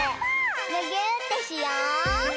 むぎゅーってしよう！